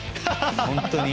本当に。